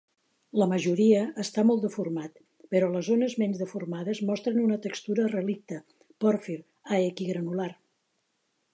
La majoria està molt deformat, però les zones menys deformades mostren una textura relicte pòrfir a equigranular.